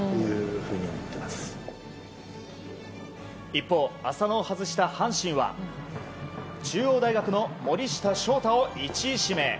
一方、浅野を外した阪神は中央大学の森下翔太を１位指名。